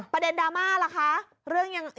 ประเด็นดราม่าล่ะคะเรื่องยัง